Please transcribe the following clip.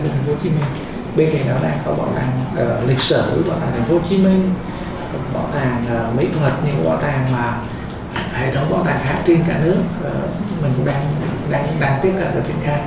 khác trên cả nước mình cũng đang sử dụng bảo tàng đó